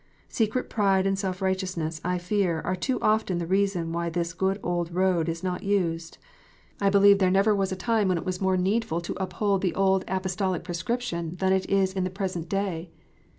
Secret pride and self righteousness, I fear, are too often the reason why this good old road is not used. I believe there never was a time when it was more needful DIVERS AND STRANGE DOCTRINES. 357 to uphold the old Apostolic prescription than it is in the present day.